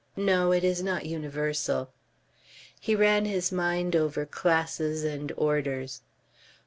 No, it is not universal." He ran his mind over classes and orders.